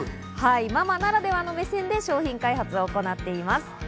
ママならではの目線で商品開発を行っています。